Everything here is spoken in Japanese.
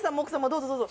どうぞどうぞ。